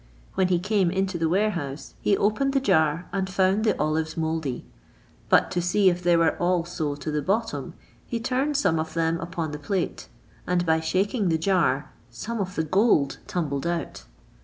When he came into the warehouse, he opened the jar, and found the olives mouldy; but to see if they were all so to the bottom, he turned some of them upon the plate; and by shaking the jar, some of the gold tumbled out.